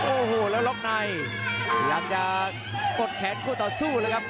โอ้โหแล้วล็อกในพยายามจะกดแขนคู่ต่อสู้แล้วครับ